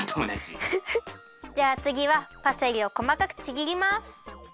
じゃあつぎはパセリをこまかくちぎります。